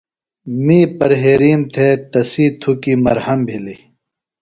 می پرہیرِیم تھےۡ تسی تُھکیۡ مرھم بِھلیۡ۔